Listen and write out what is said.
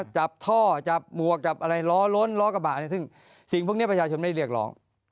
จับท่อจับหมวกจับอะไรล้อล้นล้อกระบะอะไรซึ่งสิ่งพวกนี้ประชาชนไม่ได้เรียกร้อง